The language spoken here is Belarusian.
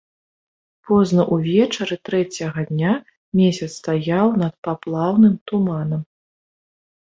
Позна ўвечары трэцяга дня месяц стаяў над паплаўным туманам.